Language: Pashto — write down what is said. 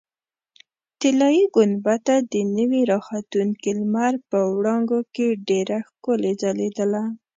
طلایي ګنبده د نوي راختونکي لمر په وړانګو کې ډېره ښکلې ځلېدله.